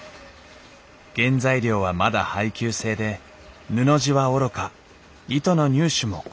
原材料はまだ配給制で布地はおろか糸の入手も困難でした